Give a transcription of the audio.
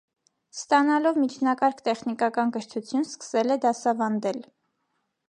Ստանալով միջնակարգ տեխնիկական կրթություն, սկսել է դասավանդել։